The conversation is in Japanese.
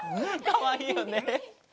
かわいいよね。